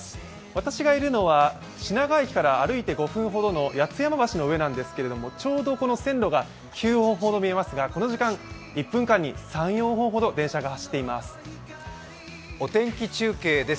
私がいるのは品川駅から歩いて５分ほどの橋の上なんですけれども、ちょうど線路が９本ほど見えますがこの時間、１分間に３４本ほど電車が走っています。